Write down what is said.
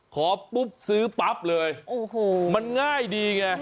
ขอปุ๊บซื้อปั๊บเลยโอ้โหมันง่ายดีไง